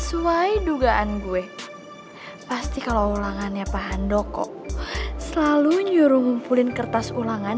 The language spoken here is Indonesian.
sesuai dugaan gue pasti kalo ulangannya paham doko selalu nyuruh ngumpulin kertas ulangan